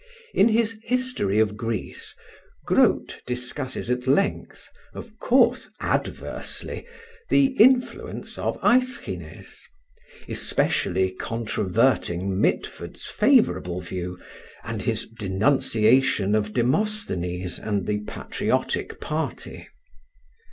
In his 'History of Greece,' Grote discusses at length of course adversely the influence of Aeschines; especially controverting Mitford's favorable view and his denunciation of Demosthenes and the patriotic party.